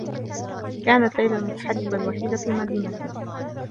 كانت ليلى المتحجّبة الوحيدة في مدينتنا.